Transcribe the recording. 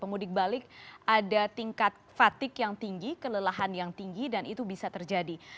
pemudik balik ada tingkat fatigue yang tinggi kelelahan yang tinggi dan itu bisa terjadi